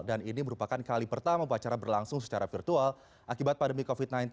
dan ini merupakan kali pertama upacara berlangsung secara virtual akibat pandemi covid sembilan belas